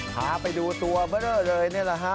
พาไปดูตัวเบอร์เลยนี่แหละ